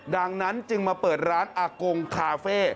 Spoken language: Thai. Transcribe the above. ดังนั้นจึงมาเปิดร้านอากงคาเฟ่